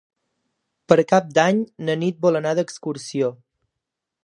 Per Cap d'Any na Nit vol anar d'excursió.